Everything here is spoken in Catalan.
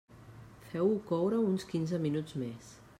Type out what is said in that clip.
Feu-ho coure uns quinze minuts més.